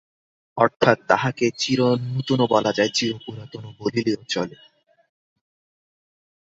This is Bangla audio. অর্থাৎ তাহাকে চিরনূতনও বলা যায়, চিরপুরাতন বলিলেও চলে।